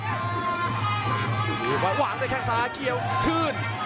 ตัวนี้หว่างได้แค่งซ้ายเกี่ยวคืน